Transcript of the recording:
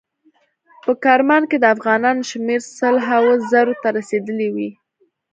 په کرمان کې د افغانانو شمیر سل هاو زرو ته رسیدلی وي.